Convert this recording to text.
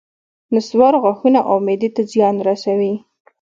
نصوار غاښونو او معدې ته زیان رسوي